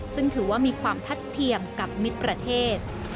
ซึ่งถือว่ามีความทัดเทียมกับมิตรประเทศ